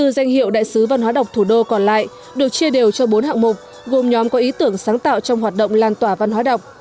hai mươi danh hiệu đại sứ văn hóa đọc thủ đô còn lại được chia đều cho bốn hạng mục gồm nhóm có ý tưởng sáng tạo trong hoạt động lan tỏa văn hóa đọc